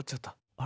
あれ。